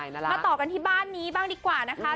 มาต่อกันที่บ้านนี้บ้างดีกว่านะคะ